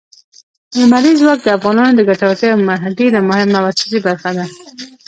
لمریز ځواک د افغانانو د ګټورتیا یوه ډېره مهمه او اساسي برخه ده.